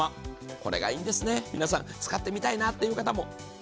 これがいいんですね、皆さん、使ってみたいなという方も。